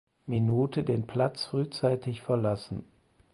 Minute den Platz frühzeitig verlassen.